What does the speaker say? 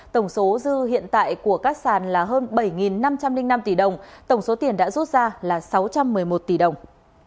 tổng số dư hiện tại của các sàn là hơn bảy năm trăm linh năm tỷ đồng tổng số tiền đã rút ra là sáu trăm một mươi một tỷ đồng